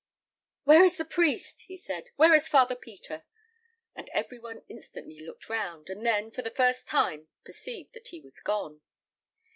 "Where is the priest?" he said. "Where is Father Peter?" And every one instantly looked round, and then, for the first time, perceived that he was gone.